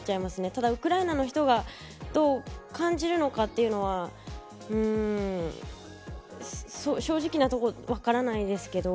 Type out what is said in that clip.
ただ、ウクライナの人がどう感じるのかというのは正直なところ分からないんですけど。